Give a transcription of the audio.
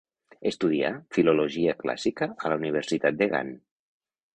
Estudià filologia clàssica a la Universitat de Gant.